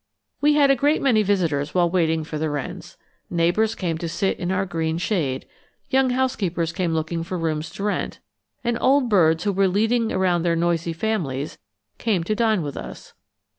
We had a great many visitors while waiting for the wrens: neighbors came to sit in our green shade, young housekeepers came looking for rooms to rent, and old birds who were leading around their noisy families came to dine with us.